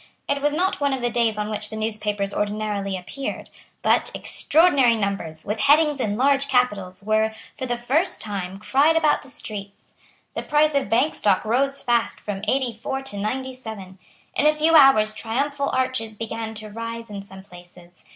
It was not one of the days on which the newspapers ordinarily appeared; but extraordinary numbers, with headings in large capitals, were, for the first time, cried about the streets. The price of Bank stock rose fast from eighty four to ninety seven. In a few hours triumphal arches began to rise in some places.